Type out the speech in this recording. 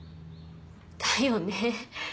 だよね。